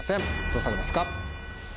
どうされますか？